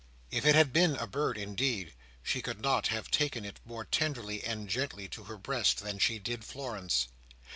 If it had been a bird, indeed, she could not have taken it more tenderly and gently to her breast, than she did Florence.